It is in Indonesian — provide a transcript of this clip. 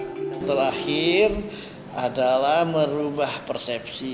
yang terakhir adalah merubah persepsi